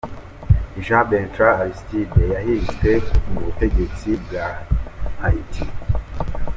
Jean-Bertrand Aristide yahiritswe ku butegetsi bwa Haiti.